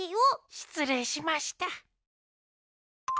しつれいしました。